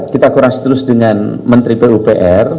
kita kurang setuju dengan menteri pupr